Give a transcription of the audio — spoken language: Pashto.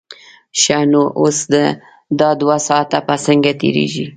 ښه نو اوس دا دوه ساعته به څنګه تېرېږي.